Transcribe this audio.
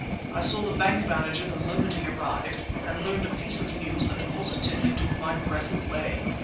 "I saw the bank manager the moment he arrived, and learned a piece of news that positively took my breath away!